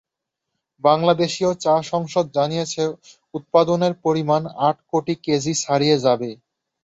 বাংলাদেশীয় চা সংসদ জানিয়েছে, উৎপাদনের পরিমাণ আট কোটি কেজি ছাড়িয়ে যাবে।